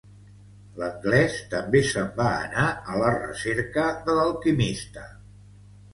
L'Anglès també se'n va anar, a la recerca de l'Alquimista.